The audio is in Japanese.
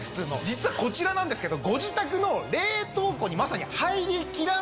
実はこちらなんですけど。